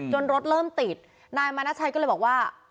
รถเริ่มติดนายมานาชัยก็เลยบอกว่า